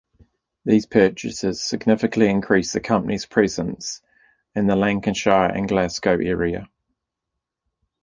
These purchases significantly increased the company's presence in the Lanarkshire and Glasgow area.